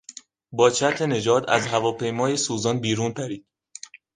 با چتر نجات از هواپیمای سوزان بیرون پرید.